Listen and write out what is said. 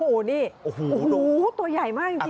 โอ้โหตัวใหญ่มากจริงอ่ะ